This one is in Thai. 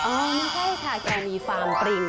ไม่ใช่ค่ะแกมีฟาร์มปริง